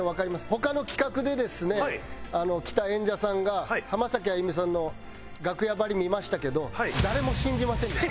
他の企画でですね来た演者さんが浜崎あゆみさんの楽屋貼り見ましたけど誰も信じませんでした。